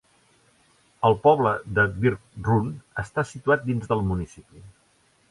El poble de Birch Run està situat dins del municipi.